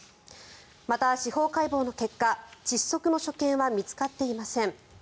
また、司法解剖の結果窒息の所見は見つかっていません。